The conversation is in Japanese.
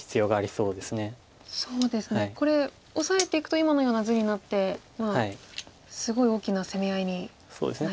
そうですねこれオサえていくと今のような図になってすごい大きな攻め合いになりますか。